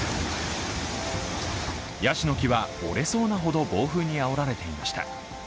ヤシの木は折れそうなほど暴風にあおられていました。